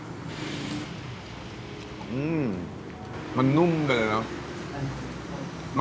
มันไม่เหนียววะ